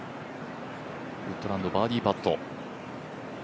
ウッドランド、バーディーパット。